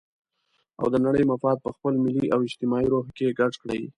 او د نړۍ مفاد په خپل ملي او اجتماعي روح کې ګډ کړي.